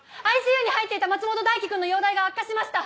ＩＣＵに入っていた松本大希君の容体が悪化しました！